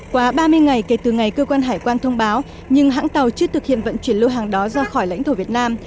quá ba mươi ngày kể từ ngày cơ quan hải quan thông báo nhưng hãng tàu chưa thực hiện vận chuyển lô hàng đó ra khỏi lãnh thổ việt nam